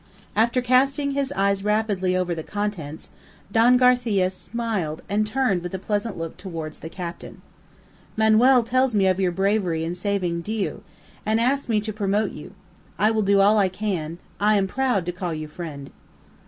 After casting his eyes rapidly over the contents, Don Garcia smiled and turned with a pleased look towards the captain. "Manuel tells me of your bravery in saving Diu, and asks me to promote you. I will do all I can. I am proud to call you friend."